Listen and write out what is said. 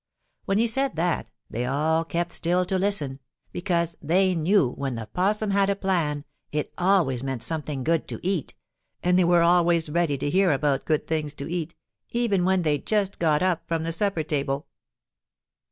When he said that they all kept still to listen, because they knew when the 'Possum had a plan it always meant something good to eat, and they were always ready to hear about good things to eat, even when they'd just got up from the supper table.